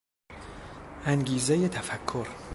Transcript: انگیزهی تفکر